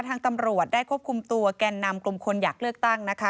ทางตำรวจได้ควบคุมตัวแก่นนำกลุ่มคนอยากเลือกตั้งนะคะ